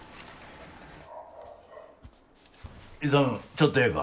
ちょっとええか？